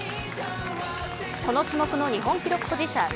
この種目の日本記録保持者